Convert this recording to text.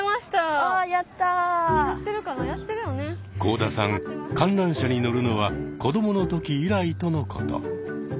幸田さん観覧車に乗るのは子どもの時以来とのこと。